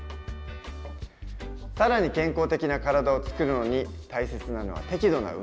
更に健康的な体をつくるのに大切なのは適度な運動。